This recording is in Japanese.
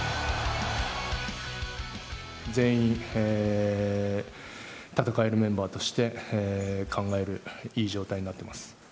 全員戦えるメンバーとして考える、いい状態になってます。